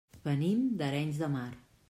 Venim d'Arenys de Mar.